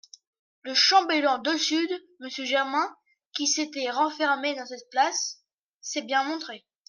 Le chambellan de sud M., Germain, qui s'était renfermé dans cette place, s'est bien montré.